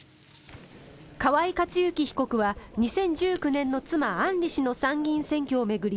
河井克行被告は２０１９年の妻・案里氏の参議院選挙を巡り